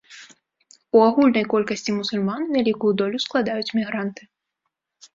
У агульнай колькасці мусульман вялікую долю складаюць мігранты.